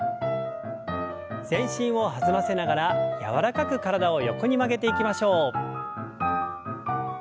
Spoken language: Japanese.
全身を弾ませながら柔らかく体を横に曲げていきましょう。